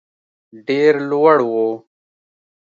ډېر لوړ وو.